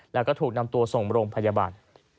แล้วก็ถูกนำตัวส่งโรงพยาบาล